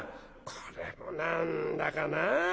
「これも何だかな。